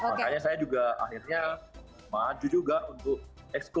makanya saya juga akhirnya maju juga untuk exco